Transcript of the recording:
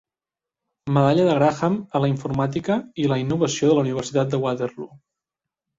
Medalla de Graham a la informàtica i la innovació de la Universitat de Waterloo.